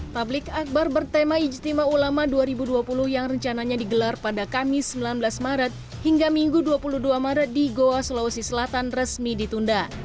tablik akbar bertema ijtima ulama dua ribu dua puluh yang rencananya digelar pada kamis sembilan belas maret hingga minggu dua puluh dua maret di goa sulawesi selatan resmi ditunda